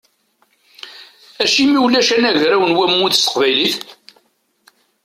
Acimi ulac anagraw n wammud s teqbaylit?